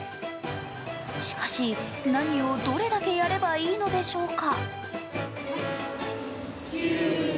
しかし、何をどれだけやればいいのでしょうか。